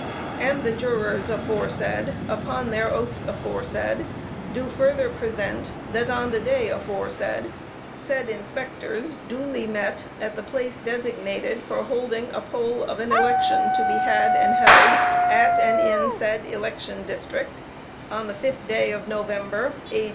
And the Jurors aforesaid, upon their oaths aforesaid, do further present that on the day aforesaid, said Inspectors duly met at the place designated for holding a poll of an election to be had and held at and in said election District on the fifth day of November, A.